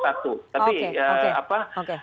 satu tapi apa